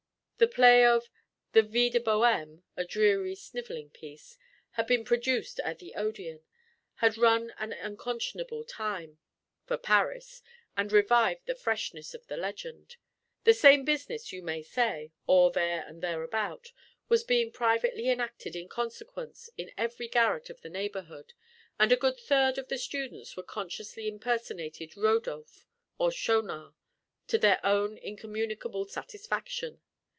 The play of the Vie de Boheme (a dreary, snivelling piece) had been produced at the Odeon, had run an unconscionable time for Paris, and revived the freshness of the legend. The same business, you may say, or there and thereabout, was being privately enacted in consequence in every garret of the neighbourhood, and a good third of the students were consciously impersonating Rodolphe or Schaunard to their own incommunicable satisfaction.